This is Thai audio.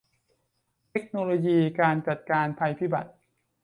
เทคโนโลยีการจัดการภัยพิบัติ